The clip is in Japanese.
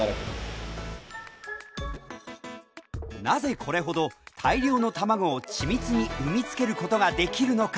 なぜこれほど大量の卵を緻密に産み付けることができるのか。